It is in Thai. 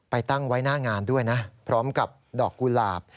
ตั้งไว้หน้างานด้วยนะพร้อมกับดอกกุหลาบ